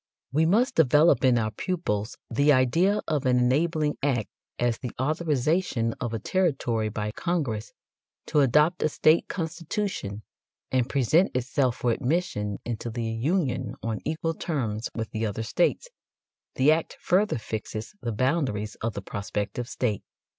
We must develop in our pupils the idea of an enabling act as the authorization of a territory by Congress to adopt a state constitution and present itself for admission into the Union on equal terms with the other states; the act further fixes the boundaries of the prospective state.